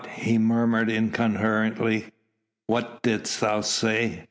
he murmured incoherently, "what didst thou say?"